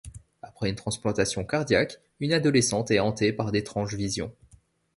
Après une transplantation cardiaque, une adolescente est hantée par d'étranges visions.